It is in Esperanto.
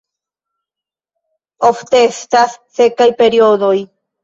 Ofte estas sekaj periodoj.